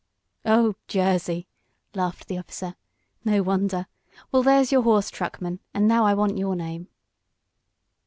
"Oh, Jersey!" laughed the officer. "No wonder! Well, there's your horse, truckman. And now I want your name."